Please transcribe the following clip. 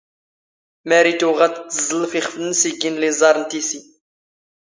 ⵎⴰⵔⵉ ⵜⵓⵖⴰ ⵜⵜ ⵜⵥⵥⵍ ⴼ ⵢⵉⵅⴼ ⵏⵏⵙ ⵉⴳⴳⵉ ⵏ ⵍⵉⵥⴰⵕ ⵏ ⵜⵉⵙⵉ.